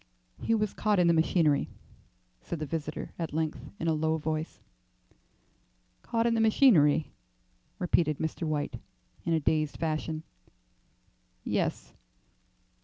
"He was caught in the machinery," said the visitor at length in a low voice. "Caught in the machinery," repeated Mr. White, in a dazed fashion, "yes."